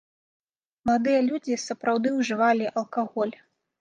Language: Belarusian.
Маладыя людзі сапраўды ўжывалі алкаголь.